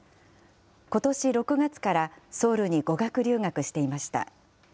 ことし６月からソウルに語学留学していました。